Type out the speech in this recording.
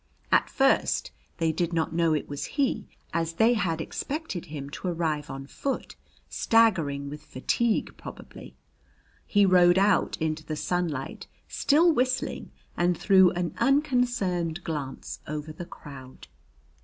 At first they did not know it was he, as they had expected him to arrive on foot, staggering with fatigue probably. He rode out into the sunlight, still whistling, and threw an unconcerned glance over the crowd.